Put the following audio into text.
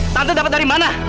tante dapat dari mana